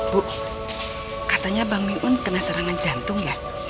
bu katanya bang minun kena serangan jantung ya